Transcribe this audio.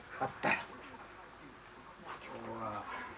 今日は。